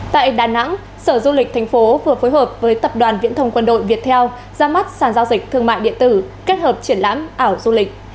tại đà nẵng sở du lịch thành phố vừa phối hợp với tập đoàn viễn thông quân đội việt theo ra mắt sản giao dịch thương mại điện tử kết hợp triển lãm ảo du lịch